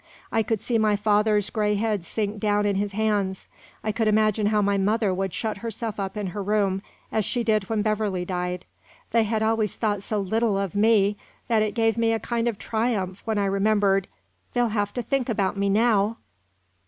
I could see my father's gray head sink down in his hands. I could imagine how my mother would shut herself up in her room as she did when Beverley died. They had always thought so little of me that it gave me a kind of triumph when I remembered, 'They'll have to think about me now!'"